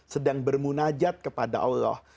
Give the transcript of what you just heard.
sedang bermunajat kepada allah